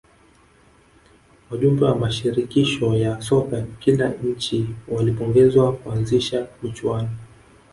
wajumbe wa mashirikisho ya soka kila nchi walipongezwa kuanzisha michuano